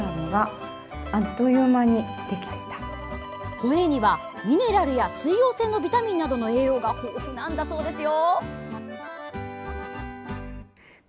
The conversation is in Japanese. ホエーにはミネラルや水溶性のビタミンなどの栄養が豊富なんだそうですよ。